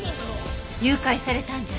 誘拐されたんじゃない？